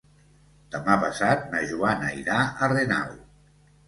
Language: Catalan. Demà passat na Joana irà a Renau.